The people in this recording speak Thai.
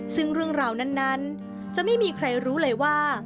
ซึ่งเรื่องราวนั้นจะไม่มีใครรู้เลยว่า